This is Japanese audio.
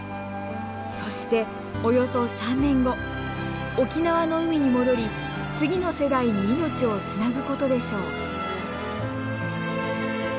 そしておよそ３年後沖縄の海に戻り次の世代に命をつなぐことでしょう。